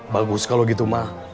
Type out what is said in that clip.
bagus kalau gitu ma